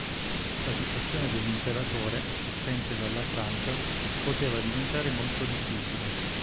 La situazione dell'imperatore, assente dalla Francia, poteva diventare molto difficile.